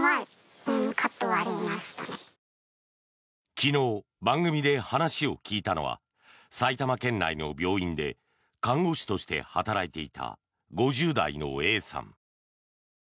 昨日、番組で話を聞いたのは埼玉県内の病院で看護師として働いていた５０代のＡさん。